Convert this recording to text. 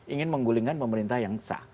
ingin menggulingkan pemerintah yang sah